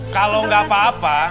kalau gak apa apa